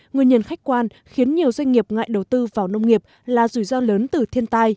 nguyên nhân khách quan khiến nhiều doanh nghiệp ngại đầu tư vào nông nghiệp là rủi ro lớn từ thiên tai